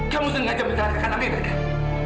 kamu sengaja mencelakakan amira kan